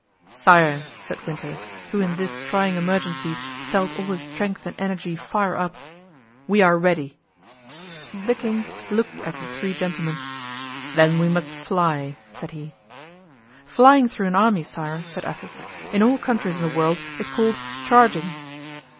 "Sire," said Winter, who in this trying emergency felt all his strength and energy fire up, "we are ready." The king looked at the three gentlemen. "Then we must fly!" said he. "Flying through an army, sire," said Athos, "in all countries in the world is called charging."